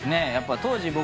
当時僕。